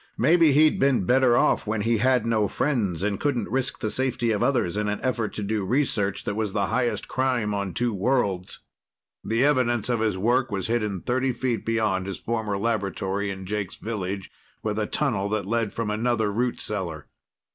Maybe he'd been better off when he had no friends and couldn't risk the safety of others in an effort to do research that was the highest crime on two worlds. The evidence of his work was hidden thirty feet beyond his former laboratory in Jake's village, with a tunnel that led from another root cellar.